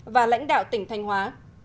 và lãnh đạo tỉnh thanh hóa